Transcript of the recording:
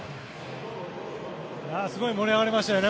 すごい盛り上がりましたよね